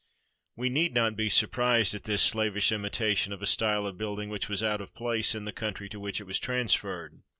We need not be surprised at this slavish imitation of a style of building which was out of place in the country to which it was transferred.